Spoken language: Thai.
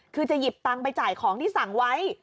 คือจะหยิบตังค์ไปจ่ายของที่สั่งไว้